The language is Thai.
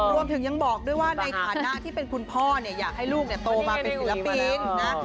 รวมถึงยังบอกด้วยว่าในฐานะที่เป็นคุณพ่อเนี่ยอยากให้ลูกโตมาเป็นศิลปินนะ